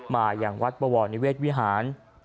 มาอย่างวัดบวรนิเวศวิหาร